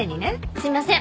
すいません。